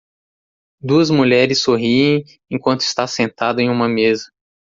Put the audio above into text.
Duas mulheres sorriem enquanto está sentado em uma mesa